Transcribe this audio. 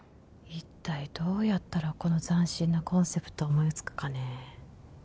一体どうやったらこの斬新なコンセプトを思いつくかね